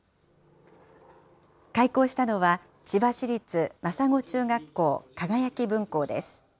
開校したのは、千葉市立真砂中学校かがやき分校です。